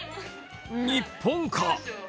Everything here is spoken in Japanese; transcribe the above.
日本か？